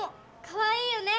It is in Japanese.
かわいいよね！